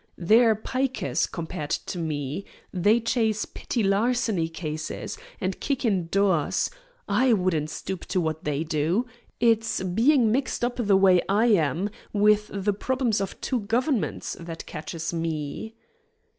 They're pikers compared to me. They chase petty larceny cases and kick in doors. I wouldn't stoop to what they do. It's being mixed up the way I am with the problems of two governments that catches me."